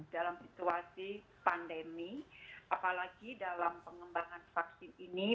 dalam situasi pandemi apalagi dalam pengembangan vaksin ini